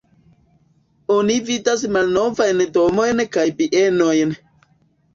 Oni vidas malnovajn domojn kaj bienojn.